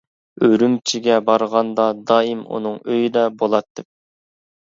ئۈرۈمچىگە بارغاندا دائىم ئۇنىڭ ئۆيىدە بولاتتىم.